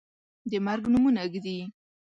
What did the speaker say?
د مرګ نومونه ږدي